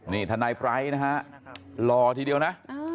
นี่ทนายไร้นะฮะรอทีเดียวนะ